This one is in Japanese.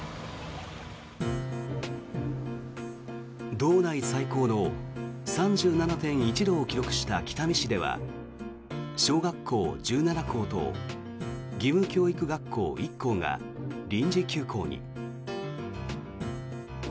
道内最高の３７．１度を記録した北見市では小学校１７校と義務教育学校１校が臨時休校に。